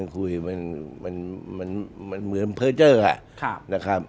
คุเวย์มันเหมือนเพอร์เจอร์